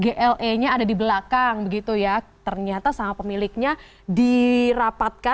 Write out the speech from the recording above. gle nya ada di belakang begitu ya ternyata sama pemiliknya dirapatkan